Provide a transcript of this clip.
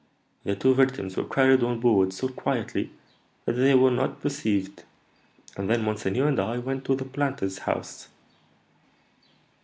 The two victims were carried on board so quietly that they were not perceived; and then monseigneur and I went to the planter's house.